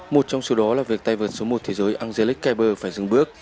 một trong số đó là việc tay vượt số một thế giới angelique kerber phải dừng bước